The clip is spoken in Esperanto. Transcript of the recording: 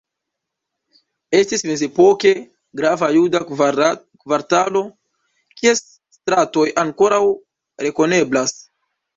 Estis mezepoke grava juda kvartalo, kies stratoj ankoraŭ rekoneblas.